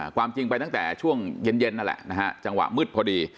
ความจริงไปตั้งแต่ช่วงเย็นนั่นแหละนะฮะจังหวะมืดพอดี